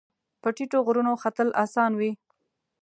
په ټیټو غرونو ختل اسان وي